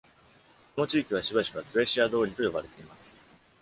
この地域はしばしばスエシア通りと呼ばれています。